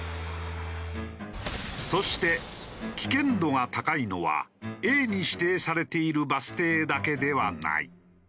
そして危険度が高いのはＡに指定されているバス停だけではない。